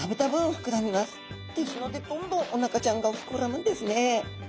ですのでどんどんおなかちゃんが膨らむんですね。